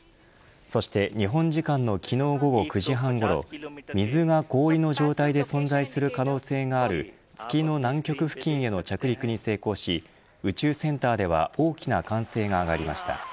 そして日本時間の昨日午後９時半ごろ水が氷の状態で存在する可能性がある月の南極付近への着陸に成功し宇宙センターでは大きな歓声が上がりました。